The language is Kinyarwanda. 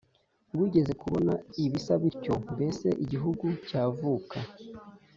wigeze kubona ibisa bityo Mbese igihugu cyavuka